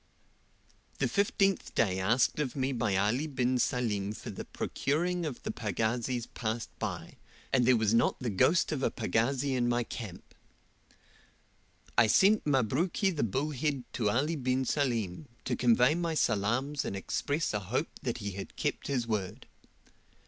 The fifteenth day asked of me by Ali bin Salim for the procuring of the pagazis passed by, and there was not the ghost of a pagazi in my camp. I sent Mabruki the Bullheaded to Ali bin Salim, to convey my salaams and express a hope that he had kept his word.